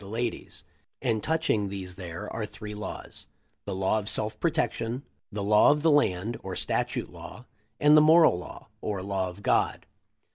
The Ladies ; and touching these there are three laws : The Law of sel f protection ; the law of the land, or statute law; and the moral law, or law of God.